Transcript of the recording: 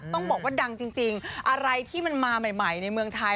ต้องบอกว่าดังจริงอะไรที่มันมาใหม่ในเมืองไทย